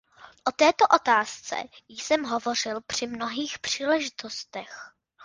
O této otázce jsem hovořil při mnohých příležitostech.